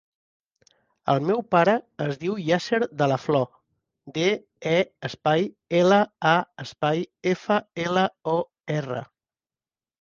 El meu pare es diu Yasser De La Flor: de, e, espai, ela, a, espai, efa, ela, o, erra.